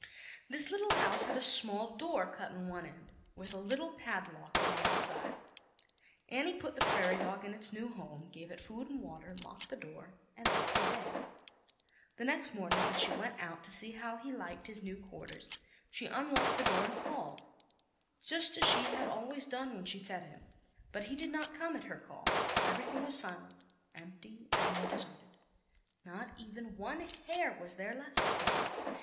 This lit tle house had a small door cut in one end, with a little padlock on the out side. Annie put the prairie dog in its new home, gave it food and water, locked the door and went to bed. The next morning when she went out to see how he liked his new quarters, she unlocked the door and called, just as she had always done when she fed him, but he did not come at her call. Everything was silent, empty and deserted; not even one hair was there left of him.